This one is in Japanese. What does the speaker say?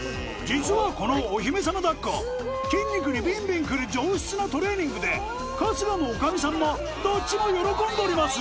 実はこのお姫様抱っこ筋肉にビンビン来る上質なトレーニングで春日も女将さんもどっちも喜んどります！